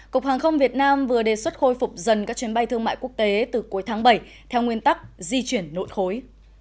cục hàng không việt nam vừa đề xuất khôi phục dần các chuyến bay thương mại quốc tế từ cuối tháng bảy theo nguyên tắc di chuyển nội khối